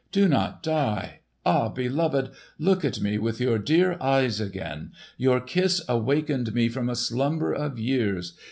Do not die! Ah, beloved, look at me with your dear eyes again! Your kiss awakened me from a slumber of years.